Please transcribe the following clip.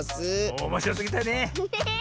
おもしろすぎたね！ね！